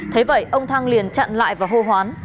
thế vậy ông thăng liền chặn lại và hô hoán